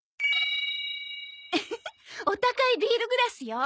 ウフフお高いビールグラスよ。